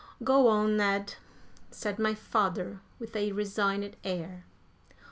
"Go on, Ned," said my father, with a resigned air.